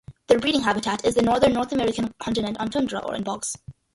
Their breeding habitat is the northern North American continent on tundra or in bogs.